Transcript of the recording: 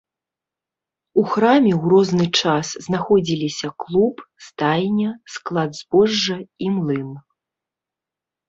У храме ў розны час знаходзіліся клуб, стайня, склад збожжа і млын.